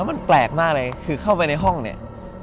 มันแปลกมากเลยคือเข้าไปในห้องเนี่ย